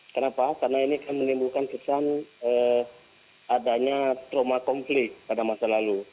kenapa karena ini kan menimbulkan kesan adanya trauma konflik pada masa lalu